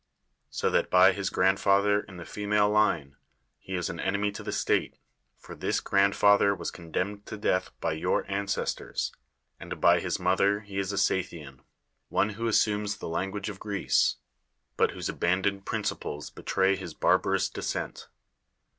So that by his grandfather in the female line, he is an enemy to the state, for this grandfather was condemned to death by your ancestors; and ])y his mother he is a Scythian — one who assumes the language of (ireece. but whose abandoned principles betray hi. > barbarous descent.